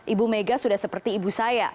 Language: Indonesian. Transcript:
ibu mega sudah seperti ibu saya